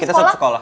kita satu sekolah